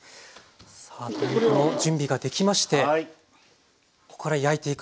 さあ鶏肉の準備ができましてここから焼いていくんですね。